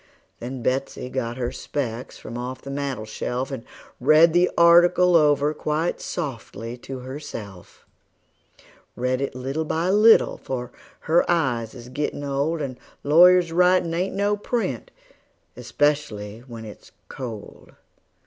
Then Betsey she got her specs from off the mantel shelf, And read the article over quite softly to herself; Read it by little and little, for her eyes is gettin' old, And lawyers' writin' ain't no print, especially when it's cold.